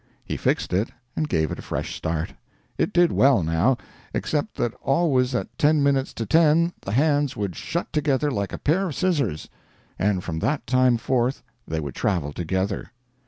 He fixed it, and gave it a fresh start. It did well now, except that always at ten minutes to ten the hands would shut together like a pair of scissors, and from that time forth they would travel together.